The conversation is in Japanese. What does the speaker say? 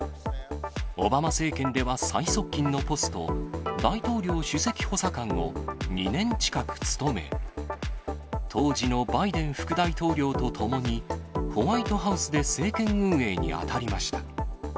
オバマ政権では最側近のポスト、大統領首席補佐官を２年近く務め、当時のバイデン副大統領と共に、ホワイトハウスで政権運営に当たりました。